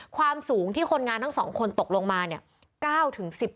ความสูงที่คนงานทั้ง๒คนตกลงมาเนี่ย